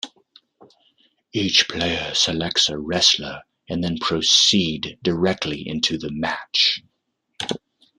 Each player selects a wrestler and then proceed directly into the match.